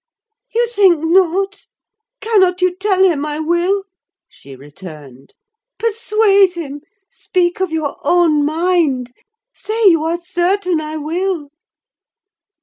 "You think not? Cannot you tell him I will?" she returned. "Persuade him! speak of your own mind: say you are certain I will!"